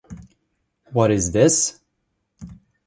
What Is This?